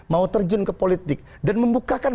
mau terjun ke politik dan membukakan